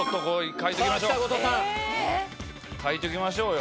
書いときましょうよ。